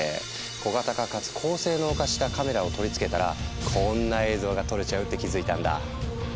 小型化かつ高性能化したカメラを取り付けたらこんな映像が撮れちゃうって気付いたんだ。